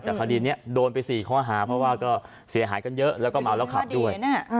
แต่คดีนี้โดนไป๔ข้อหาเพราะว่าก็เสียหายกันเยอะแล้วก็เมาแล้วขับด้วย